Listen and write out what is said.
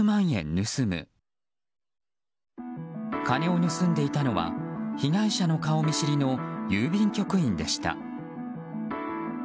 金を盗んでいたのは被害者の顔見知りの郵便局員でした。